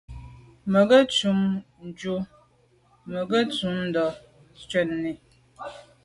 Mə ghʉ̌ nshun ncʉ’ Mə ghʉ̌ tà’ nshunə.